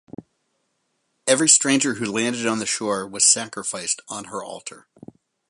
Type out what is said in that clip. Every stranger who landed on the shore was sacrificed on her altar.